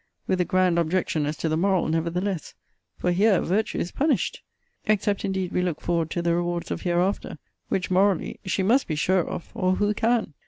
With a grand objection as to the moral, nevertheless;* for here virtue is punished! Except indeed we look forward to the rewards of HEREAFTER, which, morally, she must be sure of, or who can?